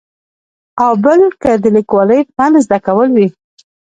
او بل که د لیکوالۍ فن زده کول وي.